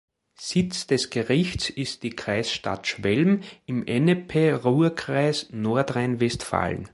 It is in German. Sitz des Gerichts ist die Kreisstadt Schwelm im Ennepe-Ruhr-Kreis, Nordrhein-Westfalen.